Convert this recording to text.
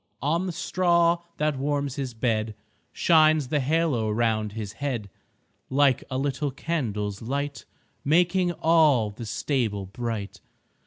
On the straw that warms His bed Shines the halo 'round His head, Like a little candle's light Making all the stable bright.